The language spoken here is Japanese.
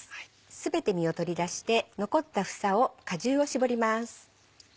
全て実を取り出して残った房を果汁を搾ります。